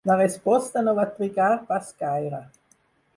La resposta no va trigar pas gaire.